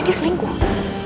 jadi ladiesling gue